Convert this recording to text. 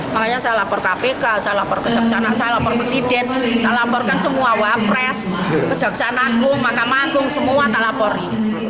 makanya saya lapor kpk saya lapor kejaksaan saya lapor presiden saya laporkan semua wapres kejaksaan aku makamah aku semua saya lapori